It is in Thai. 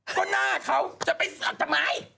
ก็หน้าเขาจะไปใชัพธรรม้าย